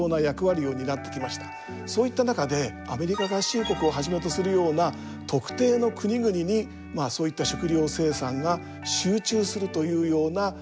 そういった中でアメリカ合衆国をはじめとするような特定の国々にそういった食料生産が集中するというような問題が出てきています。